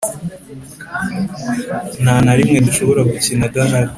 nta na rimwe dushobora gukina adahari